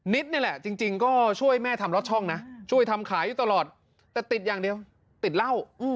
นี่แหละจริงก็ช่วยแม่ทำล็อตช่องนะช่วยทำขายอยู่ตลอดแต่ติดอย่างเดียวติดเหล้า